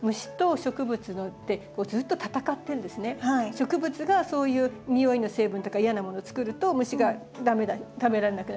植物がそういう匂いの成分とか嫌なものをつくると虫が食べられなくなるでしょ？